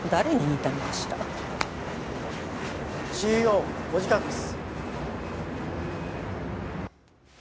ＣＥＯお時間です。